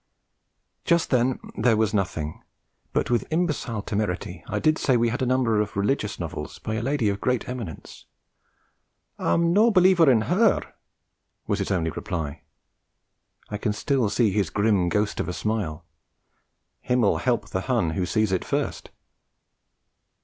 Just then there was nothing; but with imbecile temerity I did say we had a number of 'religious novels' by a lady of great eminence. 'I'm no a believer in her,' was his only reply. I can still see his grim ghost of a smile. Himmel help the Hun who sees it first!